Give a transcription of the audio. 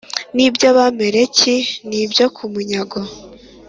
n’iby’Abamaleki n’ibyo ku munyago